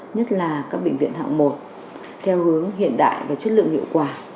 nhất là các bệnh viện hạng một theo hướng hiện đại và chất lượng hiệu quả